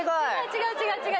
違う違う違う。